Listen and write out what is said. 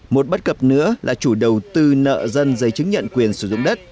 một bất cập nữa là chủ đầu tư nợ dân giấy chứng nhận quyền sử dụng đất